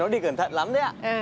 nó đi cẩn thận lắm đấy ạ